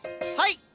はい！